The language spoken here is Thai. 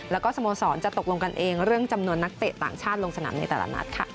แล้วก็สโมสรจะตกลงกันเองเรื่องจำนวนนักเตะต่างชาติลงสนามในแต่ละนัดค่ะ